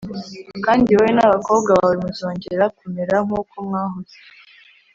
kandi wowe n’abakobwa bawe muzongera kumera nk’uko mwahoze